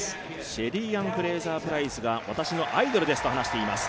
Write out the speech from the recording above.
シェリーアン・フレイザー・プライスが私のアイドルですと話しています。